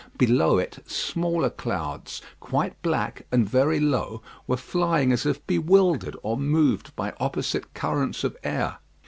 Below it, smaller clouds, quite black and very low, were flying as if bewildered or moved by opposite currents of air.